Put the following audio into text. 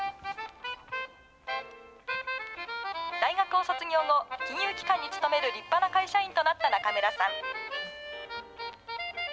大学を卒業後、金融機関に勤める立派な会社員となった中村さん。